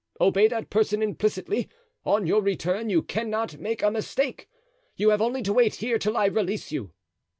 Obey that person implicitly. On your return you cannot make a mistake. You have only to wait here till I release you."